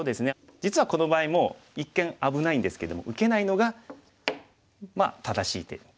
実はこの場合もう一見危ないんですけども受けないのが正しい手になりますね。